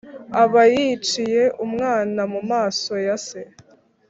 aba yiciye umwana mu maso ya se.